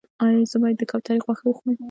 ایا زه باید د کوترې غوښه وخورم؟